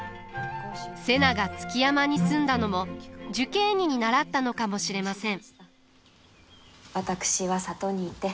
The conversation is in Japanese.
瀬名が築山に住んだのも寿桂尼に倣ったのかもしれません。